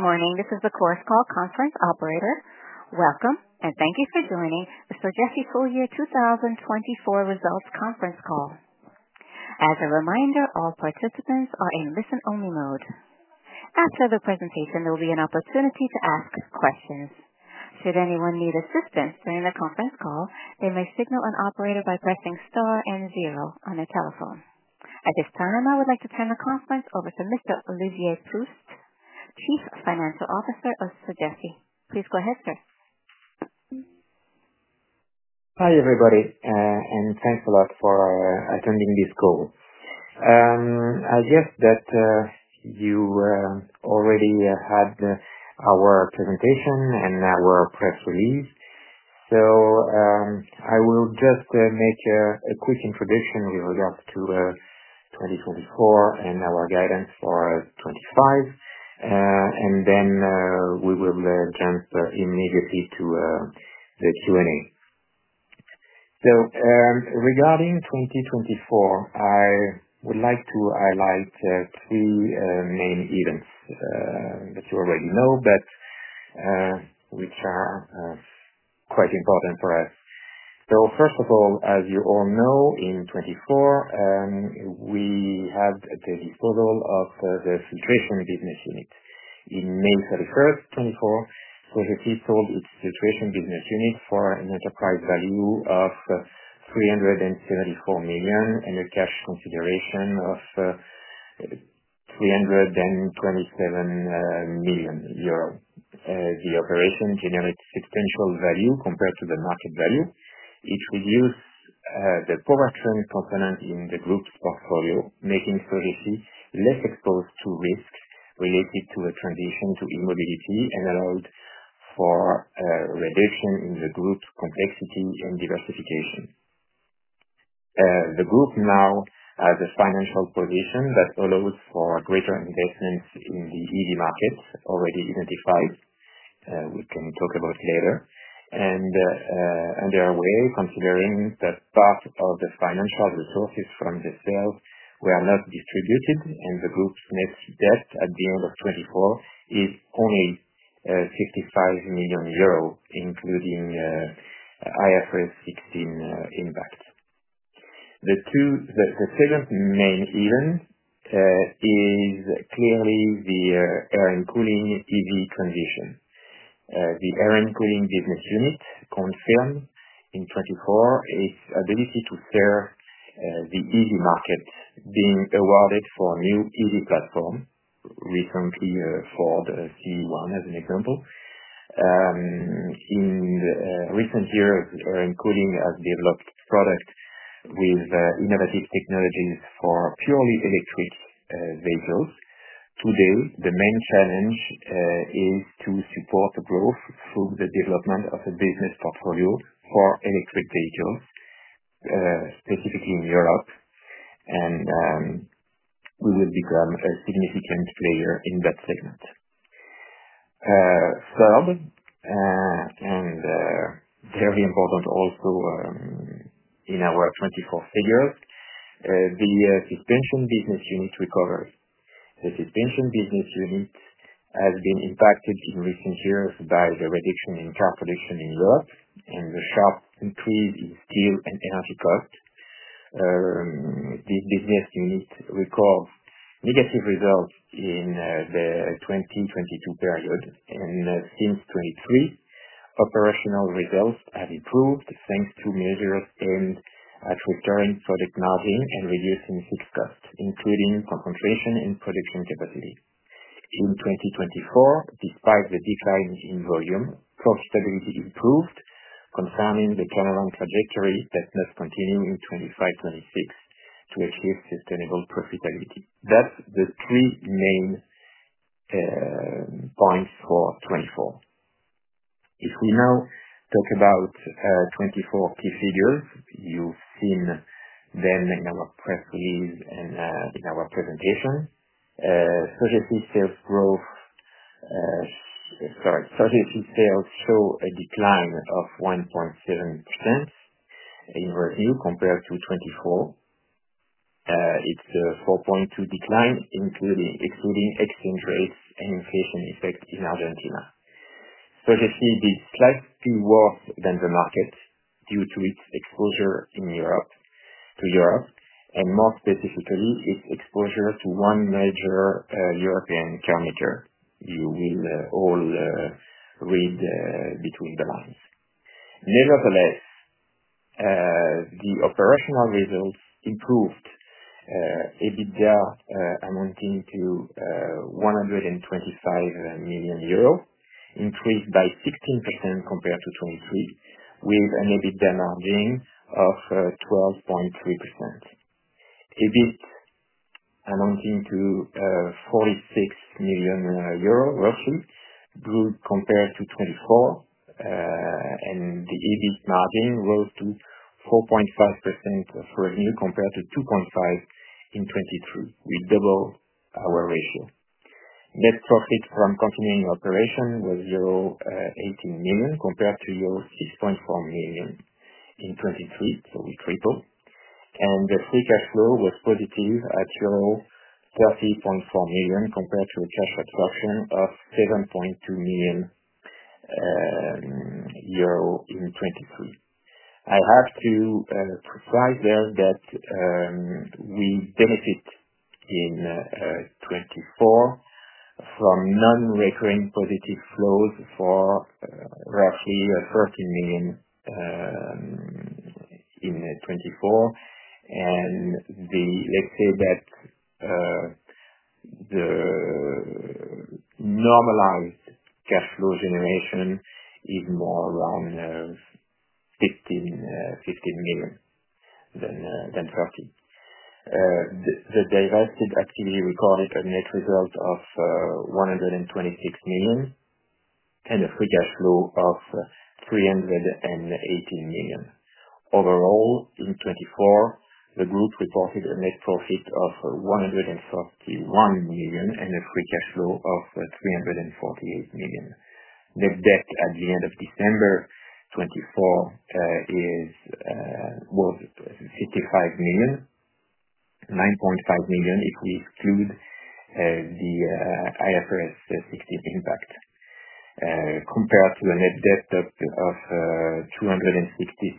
Good morning. This is the course call conference operator. Welcome, and thank you for joining the Sogefi Full Year 2024 Results Conference Call. As a reminder, all participants are in listen-only mode. After the presentation, there will be an opportunity to ask questions. Should anyone need assistance during the conference call, they may signal an operator by pressing star and zero on their telephone. At this time, I would like to turn the conference over to Mr. Olivier Proust, Chief Financial Officer of Sogefi. Please go ahead, sir. Hi, everybody, and thanks a lot for attending this call. I guess that you already had our presentation and our press release, so I will just make a quick introduction with regards to 2024 and our guidance for 2025, and then we will jump immediately to the Q&A. Regarding 2024, I would like to highlight three main events that you already know, but which are quite important for us. First of all, as you all know, in 2024, we had the disposal of the Filtration Business Unit. On May 31, 2024, Sogefi sold its Filtration Business Unit for an enterprise value of 374 million and a cash consideration of 327 million euros. The operation generated substantial value compared to the market value. It reduced the poverty component in the group's portfolio, making Sogefi less exposed to risks related to a transition to immobility and allowed for a reduction in the group's complexity and diversification. The group now has a financial position that allows for greater investments in the EV market already identified. We can talk about later. On their way, considering that part of the financial resources from the sales were not distributed and the group's net debt at the end of 2024 is only 55 million euro, including IFRS 16 impact. The second main event is clearly the Air and Cooling EV transition. The Air and Cooling Business Unit confirmed in 2024 its ability to serve the EV market, being awarded for a new EV platform, recently Ford C1 as an example. In recent years, Air and Cooling has developed products with innovative technologies for purely electric vehicles. Today, the main challenge is to support the growth through the development of a business portfolio for electric vehicles, specifically in Europe, and we will become a significant player in that segment. Third, and very important also in our 2024 figures, the Suspension Business Unit recovered. The Suspension Business Unit has been impacted in recent years by the reduction in car production in Europe and the sharp increase in steel and energy costs. This business unit records negative results in the 2022 period, and since 2023, operational results have improved thanks to measures aimed at restoring product margin and reducing fixed costs, including concentration and production capacity. In 2024, despite the decline in volume, profitability improved, confirming the channel and trajectory that must continue in 2025, 2026 to achieve sustainable profitability. That's the three main points for 2024. If we now talk about 2024 key figures, you've seen them in our press release and in our presentation. Sogefi sales growth, sorry, Sogefi sales show a decline of 1.7% in revenue compared to 2024. It's a 4.2% decline, excluding exchange rates and inflation effect in Argentina. Sogefi is slightly worse than the market due to its exposure to Europe, and more specifically, its exposure to one major European car maker. You will all read between the lines. Nevertheless, the operational results improved, EBITDA amounting to 125 million euros, increased by 16% compared to 2023, with an EBITDA margin of 12.3%. EBIT amounting to 46 million, roughly, grew compared to 2024, and the EBIT margin rose to 4.5% of revenue compared to 2.5% in 2023. We doubled our ratio. Net profit from continuing operation was euro 18 million compared to euro 6.4 million in 2023, so we tripled. The free cash flow was positive at euro 30.4 million compared to a cash absorption of 7.2 million euro in 2023. I have to precise there that we benefited in 2024 from non-recurring positive flows for roughly 13 million in 2024, and let's say that the normalized cash flow generation is more around 15 million than 30 million. The divested activity recorded a net result of 126 million and a free cash flow of 318 million. Overall, in 2024, the group reported a net profit of 141 million and a free cash flow of 348 million. Net debt at the end of December 2024 was 55 million, 9.5 million if we exclude the IFRS 16 impact, compared to a net debt of 266 million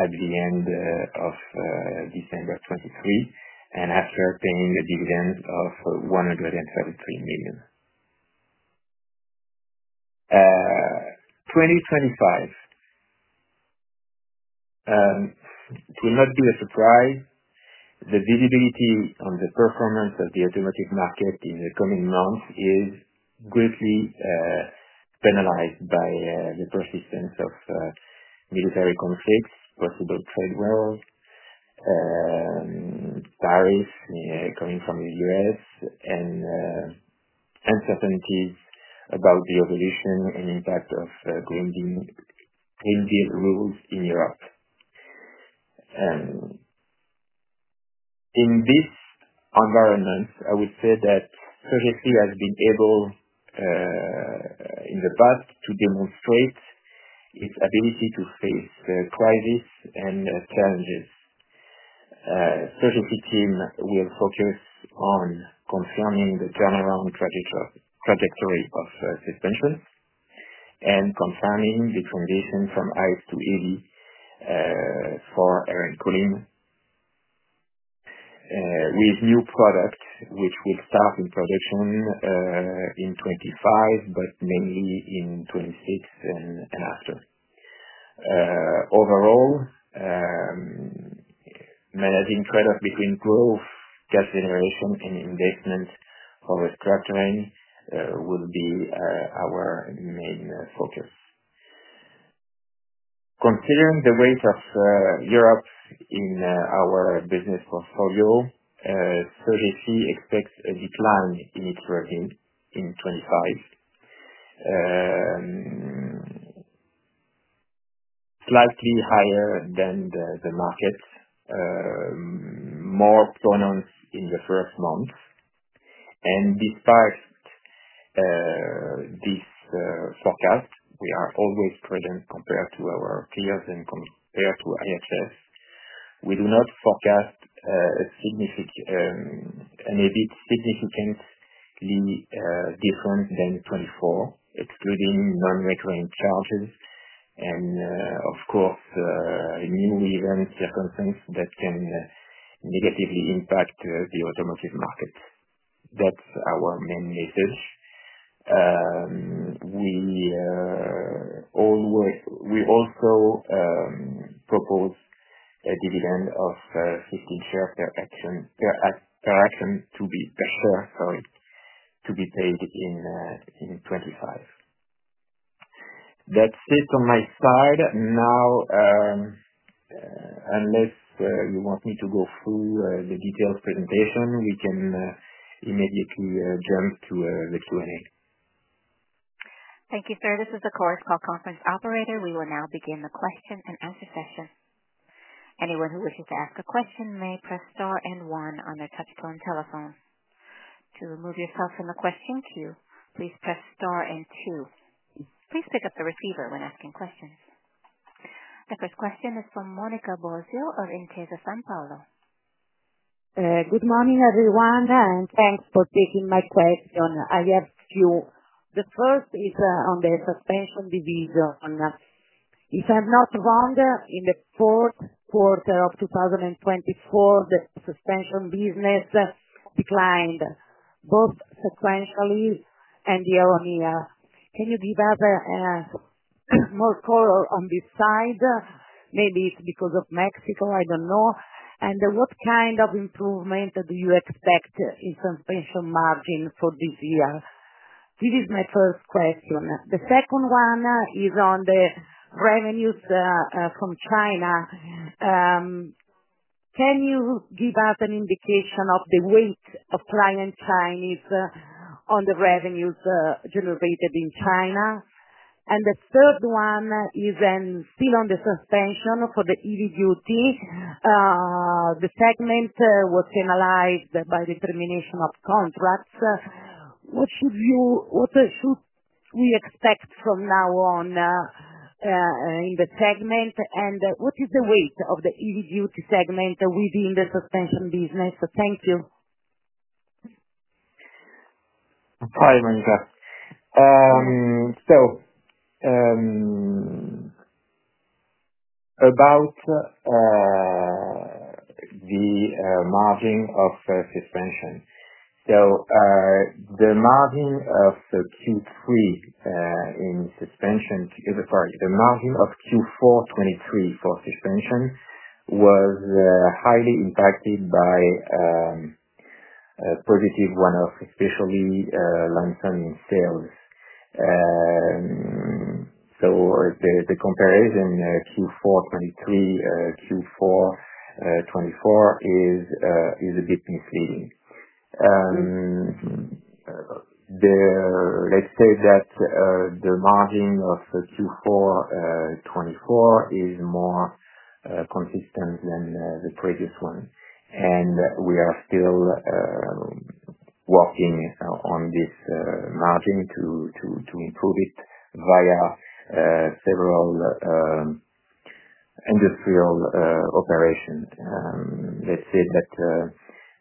at the end of December 2023 and after paying a dividend of EUR 133 million. 2025 will not be a surprise. The visibility on the performance of the automotive market in the coming months is greatly penalized by the persistence of military conflicts, possible trade wars, tariffs coming from the U.S., and uncertainties about the evolution and impact of green deal rules in Europe. In this environment, I would say that Sogefi has been able in the past to demonstrate its ability to face crises and challenges. Sogefi team will focus on confirming the turnaround trajectory of suspensions and confirming the transition from ICE to EV for air and cooling with new products, which will start in production in 2025, but mainly in 2026 and after. Overall, managing trade-off between growth, cash generation, and investment for the structuring will be our main focus. Considering the weight of Europe in our business portfolio, Sogefi expects a decline in its revenue in 2025, slightly higher than the market, more pronounced in the first months. Despite this forecast, we are always present compared to our peers and compared to IHS. We do not forecast an EBIT significantly different than 2024, excluding non-recurring charges and, of course, new event circumstances that can negatively impact the automotive market. That is our main message. We also propose a dividend of 15 shares per action to be paid in 2025. That is it on my side. Now, unless you want me to go through the detailed presentation, we can immediately jump to the Q&A. Thank you, sir. This is the course call conference operator. We will now begin the question and answer session. Anyone who wishes to ask a question may press star and one on their touch phone telephone. To remove yourself from the question queue, please press star and two. Please pick up the receiver when asking questions. The first question is from Monica Bosio of Intesa Sanpaolo. Good morning, everyone, and thanks for taking my question. I have a few. The first is on the Suspension division. If I'm not wrong, in the fourth quarter of 2024, the Suspension business declined both sequentially and year on year. Can you give us more color on this side? Maybe it's because of Mexico, I don't know. What kind of improvement do you expect in Suspension margin for this year? This is my first question. The second one is on the revenues from China. Can you give us an indication of the weight of client Chinese on the revenues generated in China? The third one is still on the Suspension for the EV duty. The segment was finalized by the termination of contracts. What should we expect from now on in the segment, and what is the weight of the EV duty segment within the Suspension business? Thank you. Hi, Monica. About the margin of suspension, the margin of Q3 in suspension—sorry, the margin of Q4 2023 for suspension was highly impacted by a positive one-off, especially lump sum sales. The comparison Q4 2023, Q4 2024 is a bit misleading. Let's say that the margin of Q4 2024 is more consistent than the previous one, and we are still working on this margin to improve it via several industrial operations. Let's say that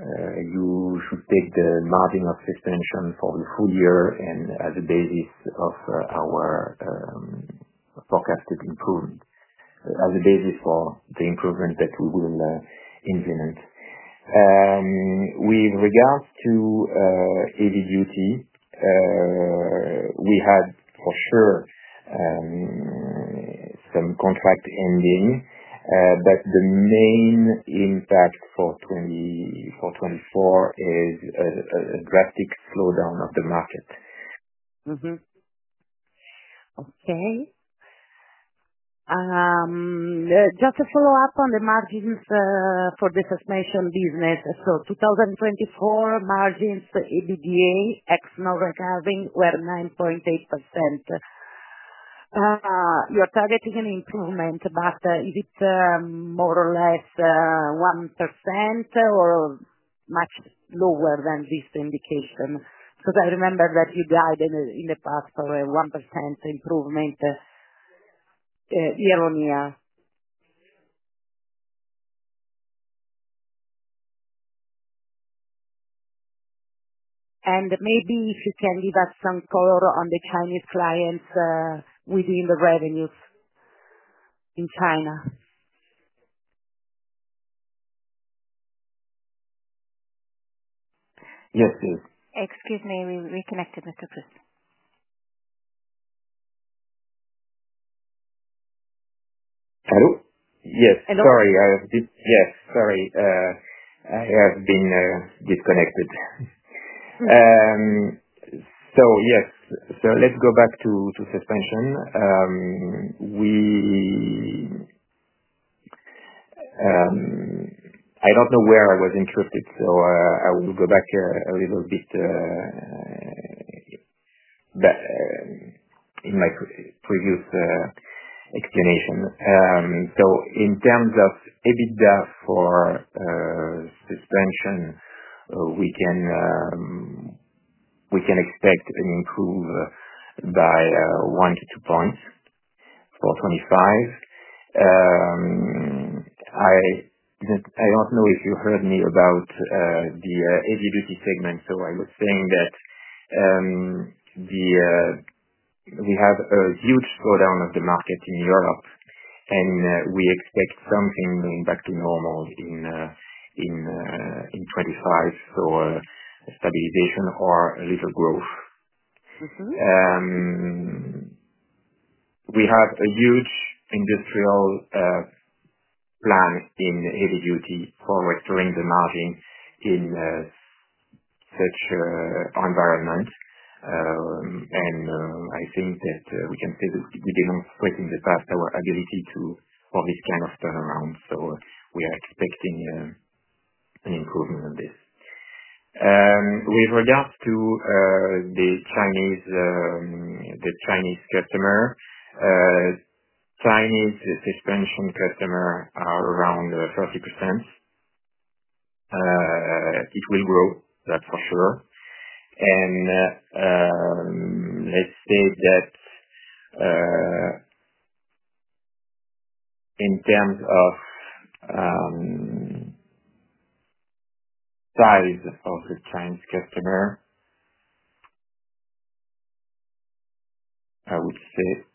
you should take the margin of suspension for the full year as a basis of our forecasted improvement, as a basis for the improvement that we will implement. With regards to EV duty, we had for sure some contract ending, but the main impact for 2024 is a drastic slowdown of the market. Okay. Just to follow up on the margins for the Suspension Business Unit. 2024 margins for EBITDA ex no recovery were 9.8%. You're targeting an improvement, but is it more or less 1% or much lower than this indication? Because I remember that you guided in the past for a 1% improvement year on year. Maybe if you can give us some color on the Chinese clients within the revenues in China. Yes, please. Excuse me, we reconnected. Mr. Proust. Hello? Yes. Hello? Sorry. Yes, sorry. I have been disconnected. Yes, let's go back to suspension. I don't know where I was interrupted, so I will go back a little bit in my previous explanation. In terms of EBITDA for suspension, we can expect an improvement by 1-2 points for 2025. I don't know if you heard me about the Heavy Duty segment, I was saying that we have a huge slowdown of the market in Europe, and we expect something going back to normal in 2025, a stabilization or a little growth. We have a huge industrial plan in Heavy Duty for restoring the margin in such an environment, and I think that we can say that we demonstrated in the past our ability for this kind of turnaround, so we are expecting an improvement on this. With regards to the Chinese customer, Chinese suspension customers are around 30%. It will grow, that's for sure. Let's say that in terms of size of the Chinese customer, I would say, yes,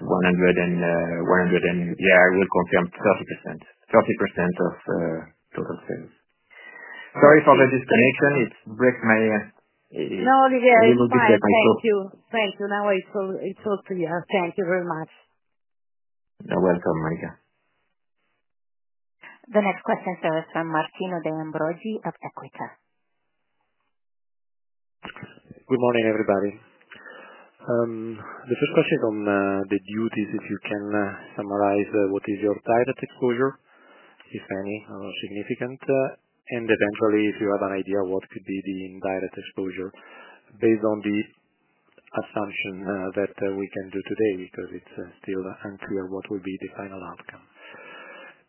100 and yeah, I will confirm 30%, 30% of total sales. Sorry for the disconnection. It breaks my ear. No, Olivier, it's all right. Thank you. Thank you. Now it's all clear. Thank you very much. You're welcome, Monica. The next question is from Martino De Ambroggi of Equita. Good morning, everybody. The first question is on the duties. If you can summarize what is your direct exposure, if any, or significant, and eventually, if you have an idea of what could be the indirect exposure based on the assumption that we can do today because it's still unclear what will be the final outcome.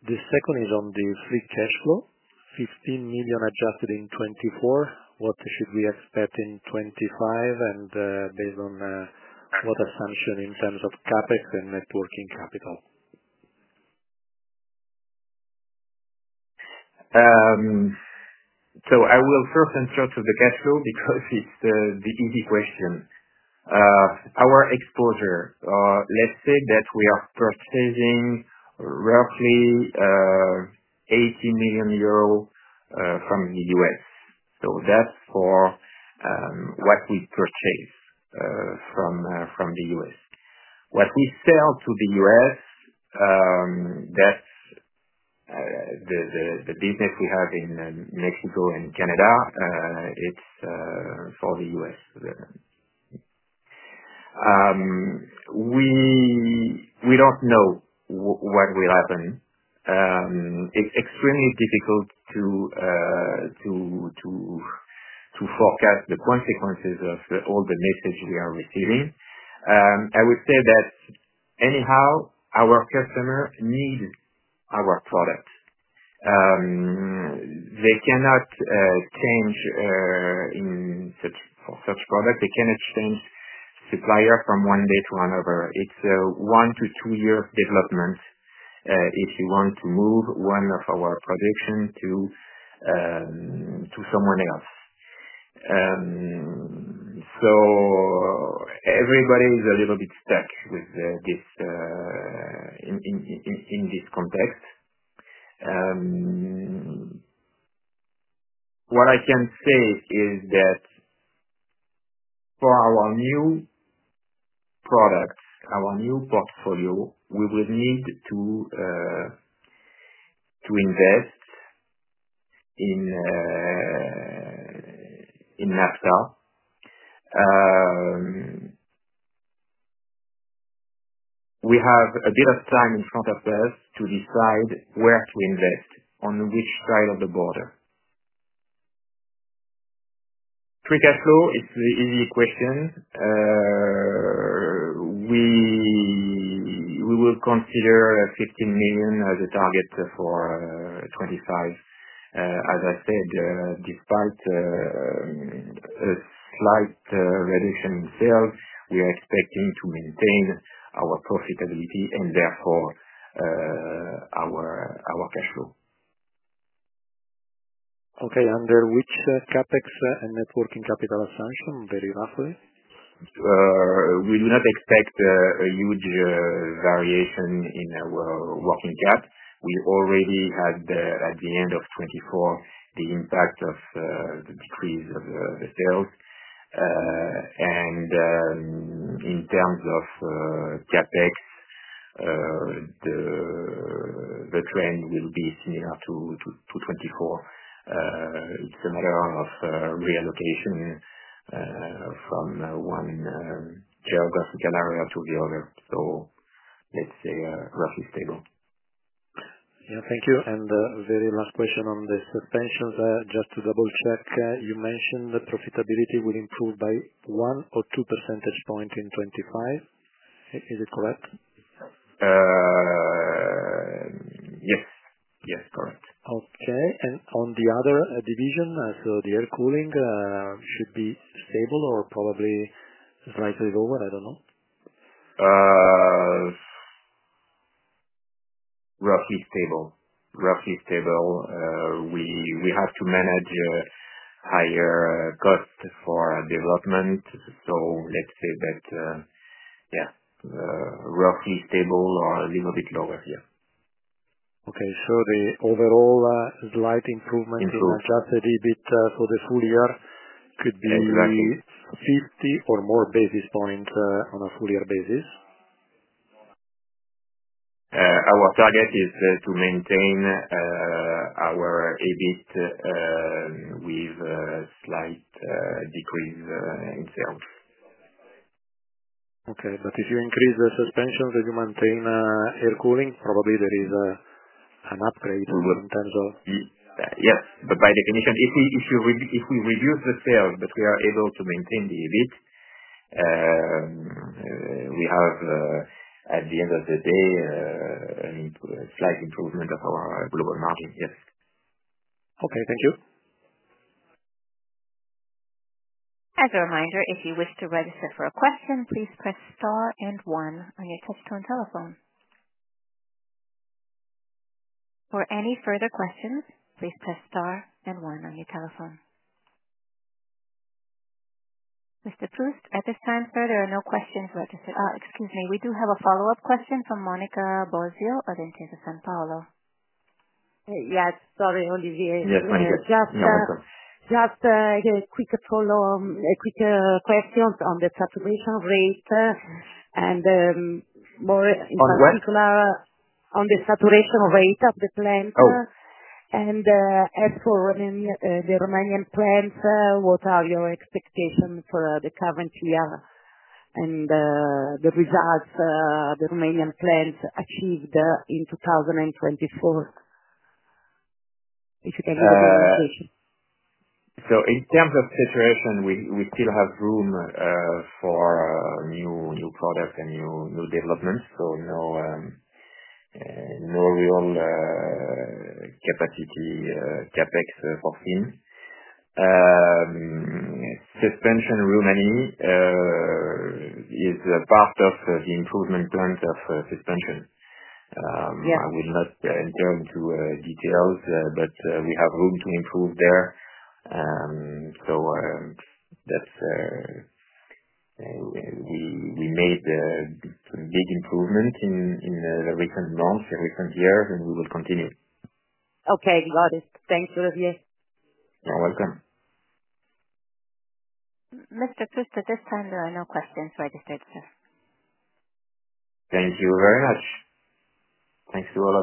The second is on the free cash flow, 15 million adjusted in 2024. What should we expect in 2025, and based on what assumption in terms of CapEx and working capital? I will first answer to the cash flow because it's the easy question. Our exposure, let's say that we are purchasing roughly 80 million euros from the U.S. That's for what we purchase from the U.S. What we sell to the U.S., that's the business we have in Mexico and Canada, it's for the U.S. We don't know what will happen. It's extremely difficult to forecast the consequences of all the message we are receiving. I would say that anyhow, our customers need our product. They cannot change for such products. They cannot change supplier from one day to another. It's a one to two-year development if you want to move one of our productions to someone else. Everybody is a little bit stuck in this context. What I can say is that for our new products, our new portfolio, we will need to invest in NAFTA. We have a bit of time in front of us to decide where to invest, on which side of the border. Free cash flow is the easy question. We will consider 15 million as a target for 2025. As I said, despite a slight reduction in sales, we are expecting to maintain our profitability and therefore our cash flow. Okay. Under which CapEx and working capital assumption, very roughly? We do not expect a huge variation in our working cap. We already had at the end of 2024 the impact of the decrease of the sales. In terms of CapEx, the trend will be similar to 2024. It is a matter of reallocation from one geographical area to the other. Let's say roughly stable. Yeah. Thank you. Very last question on the suspensions. Just to double-check, you mentioned the profitability will improve by 1 or 2 percentage points in 2025. Is it correct? Yes. Yes, correct. Okay. On the other division, so the Air and Cooling, should be stable or probably slightly lower? I don't know. Roughly stable. Roughly stable. We have to manage higher costs for development. Let's say that, yeah, roughly stable or a little bit lower, yeah. Okay. The overall slight improvement. Improvement. Just a little bit for the full year could be. Exactly. 50 or more basis points on a full-year basis. Our target is to maintain our EBIT with a slight decrease in sales. Okay. If you increase the suspensions and you maintain air cooling, probably there is an upgrade in terms of? Yes. By definition, if we reduce the sales, but we are able to maintain the EBIT, we have, at the end of the day, a slight improvement of our global margin. Yes. Okay. Thank you. As a reminder, if you wish to register for a question, please press star and one on your touch-tone telephone. For any further questions, please press star and one on your telephone. Mr. Proust, at this time, sir, there are no questions registered. Excuse me. We do have a follow-up question from Monica Bosio of Intesa Sanpaolo. Yes. Sorry, Olivier. Yes, Monica. Just a quick follow-up, quick questions on the saturation rate and more in particular on the saturation rate of the plants. As for the Romanian plants, what are your expectations for the current year and the results the Romanian plants achieved in 2024? If you can give me an expectation. In terms of situation, we still have room for new products and new developments, so no real capacity CapEx foreseen. Suspension really is part of the improvement plan of suspension. I will not enter into details, but we have room to improve there. We made some big improvements in the recent months and recent years, and we will continue. Okay. Got it. Thanks, Olivier. You're welcome. Mr. Proust, at this time, there are no questions registered, sir. Thank you very much. Thanks to all.